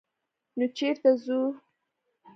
_نو چېرته ځو؟